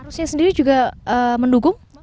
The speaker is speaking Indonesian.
arusnya sendiri juga mendukung